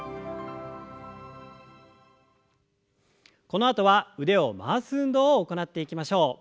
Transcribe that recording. このあとは腕を回す運動を行っていきましょう。